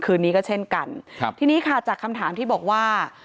คืนนี้ก็เช่นกันครับทีนี้ค่ะจากคำถามที่บอกว่า